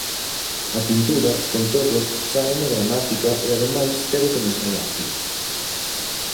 A pintura, con todo, sáeme dramática e ademais quero que me saia así.